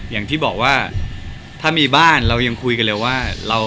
อย่างที่บอกว่าถ้ามีบ้านเรายังคุยกันเลยว่า